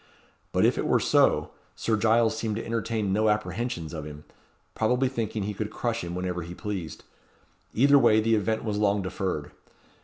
But, if it were so, Sir Giles seemed to entertain no apprehensions of him, probably thinking he could crush him whenever he pleased. Either way the event was long deferred.